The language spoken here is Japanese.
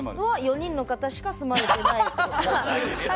４人の方しか住まれてないと？